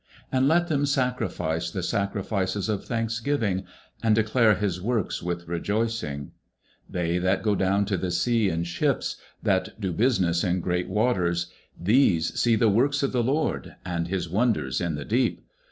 19:107:022 And let them sacrifice the sacrifices of thanksgiving, and declare his works with rejoicing. 19:107:023 They that go down to the sea in ships, that do business in great waters; 19:107:024 These see the works of the LORD, and his wonders in the deep.